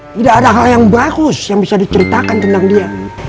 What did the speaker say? tidak ada hal yang bagus yang bisa diceritakan tentang dia